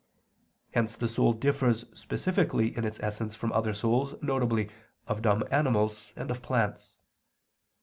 Hence the soul differs specifically in its essence from other souls, viz. of dumb animals, and of plants.